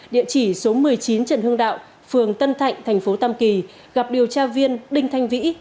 địa chỉ số một mươi chín trần hương đạo phường tân thạnh tp tâm kỳ gặp điều tra viên đinh thanh vĩ